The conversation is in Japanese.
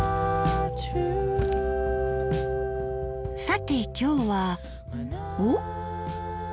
さて今日はおっ！